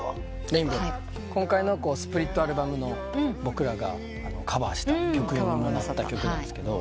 今回のスプリットアルバムの僕らがカバーした曲なんですけど。